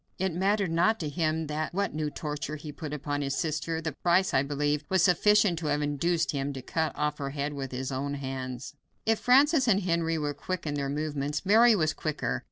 It mattered not to him what new torture he put upon his sister; the price, I believe, was sufficient to have induced him to cut off her head with his own hands. If Francis and Henry were quick in their movements, Mary was quicker.